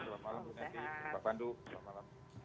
selamat malam bu neti pak pandu selamat malam